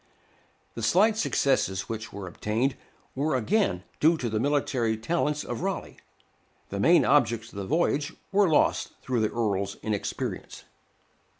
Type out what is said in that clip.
The slight successes which were obtained were again due to the military talents of Raleigh; the main objects of the voyage were lost through the Earl's inexperience.